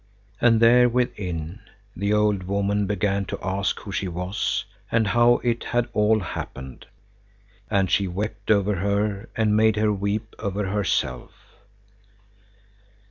And there, within, the old woman began to ask who she was and how it had all happened. And she wept over her and made her weep over herself.